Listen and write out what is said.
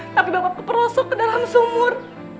tapi bapak keperosok ke dalam sumur